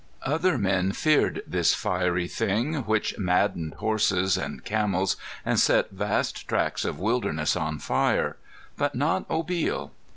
Other men feared this fiery thing which maddened horses and camels and set vast tracts of wilderness on fire, but not Obil.